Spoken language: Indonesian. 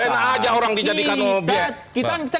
enak aja orang dijadikan obyek